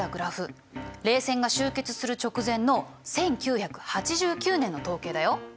冷戦が終結する直前の１９８９年の統計だよ。